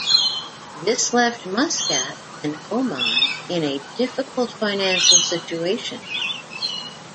This left Muscat and Oman in a difficult financial situation.